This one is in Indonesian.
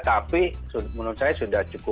tapi menurut saya sudah cukup